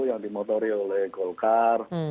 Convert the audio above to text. yang dimotori oleh golkar